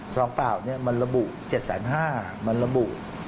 ซองเปล่าเนี่ยมันระบุ๗๐๕มันระบุ